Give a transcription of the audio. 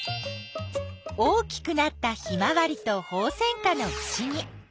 大きくなったヒマワリとホウセンカのふしぎ。